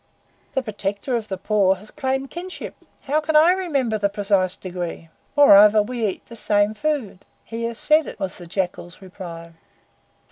"The Protector of the Poor has claimed kinship. How can I remember the precise degree? Moreover, we eat the same food. He has said it," was the Jackal's reply.